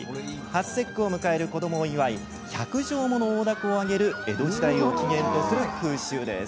初節句を迎える子どもを祝い１００畳もの大凧を揚げる江戸時代を起源とする風習です。